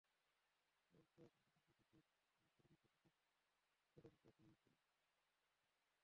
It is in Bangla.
তারপর রণদাপ্রসাদ সাহা চল্লিশ দশকের ফুলে-ফাঁপা অর্থনীতিতে শুরু করলেন নিজের পূজা, টাঙ্গাইলে।